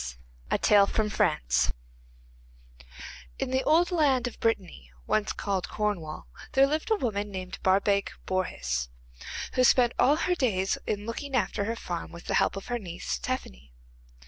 The Four Gifts In the old land of Brittany, once called Cornwall, there lived a woman named Barbaik Bourhis, who spent all her days in looking after her farm with the help of her niece Tephany.